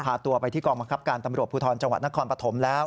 พาตัวไปที่กองบังคับการตำรวจภูทรจังหวัดนครปฐมแล้ว